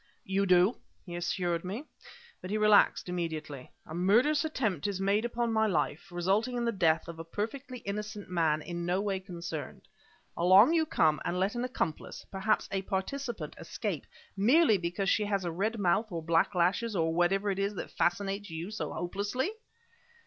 "You do!" he assured me, but he relaxed immediately. "A murderous attempt is made upon my life, resulting in the death of a perfectly innocent man in no way concerned. Along you come and let an accomplice, perhaps a participant, escape, merely, because she has a red mouth, or black lashes, or whatever it is that fascinates you so hopelessly!"